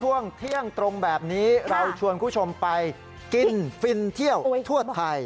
ช่วงเที่ยงตรงแบบนี้เราชวนคุณผู้ชมไปกินฟินเที่ยวทั่วไทย